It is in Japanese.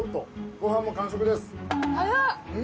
ご飯も完食です。